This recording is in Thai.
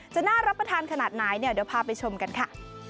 จะน่ารับประทานขนาดไหนเนี่ยเดี๋ยวพาไปชมกันค่ะ